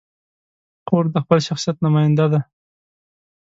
خور د خپل شخصیت نماینده ده.